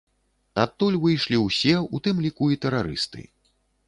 Адтуль выйшлі ўсе, у тым ліку, і тэрарысты.